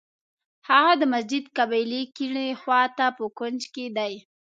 هغه د مسجد قبلې کیڼې خوا ته په کونج کې دی.